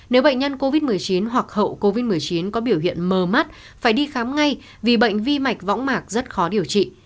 nếu bệnh nhân covid một mươi chín hoặc hậu covid một mươi chín có biểu hiện mờ mắt phải đi khám ngay vì bệnh vi mạch võng mạc rất khó điều trị